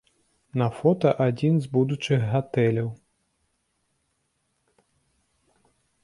На фота адзін з будучых гатэляў.